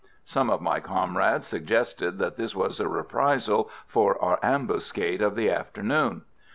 Some of my comrades suggested that this was a reprisal for our ambuscade of the afternoon.